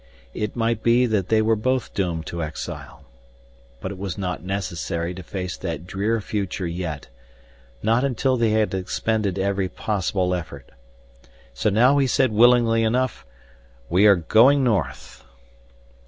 It might be that they were both doomed to exile. But it was not necessary to face that drear future yet, not until they had expended every possible effort. So now he said willingly enough, "We are going north."